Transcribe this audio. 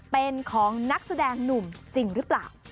เป็นของนักแสดงหนุ่มจริงหรือเปล่า